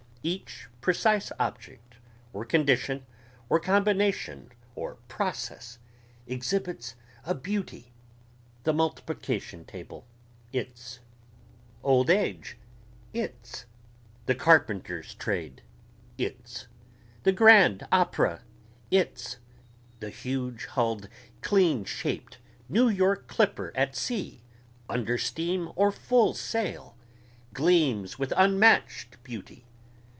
Each precise object or condition or combination or process exhibits a beauty ... the multiplication table its old age its the carpenter's trade its the grand opera its the hugehulled cleanshaped New York clipper at sea under steam or full sail gleams with unmatched beauty....